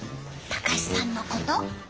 隆さんのこと。